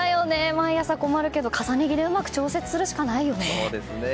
毎朝、困るけど重ね着をうまく調整するしかないですよね。